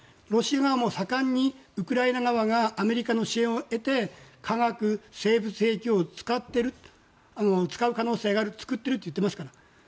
ロシアは盛んにウクライナ側がアメリカの支援を得て化学・生物兵器を使ってる使う可能性がある、作ってると言ってますから。